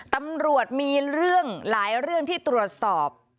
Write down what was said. ตำรวจมีเรื่องหลายเรื่องที่ตรวจสอบ